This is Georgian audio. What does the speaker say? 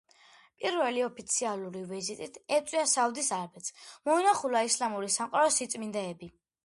პირველი ოფიციალური ვიზიტით ეწვია საუდის არაბეთს, მოინახულა ისლამური სამყაროს სიწმინდეები.